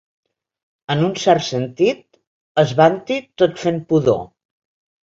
En un cert sentit, es vanti tot fent pudor.